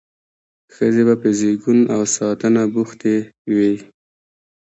ښځې به په زیږون او ساتنه بوختې وې.